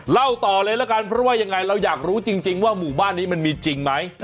เล่าต่อเลยละกันเพราะว่ายังไงเราอยากรู้จริงว่าหมู่บ้านนี้มันมีจริงไหม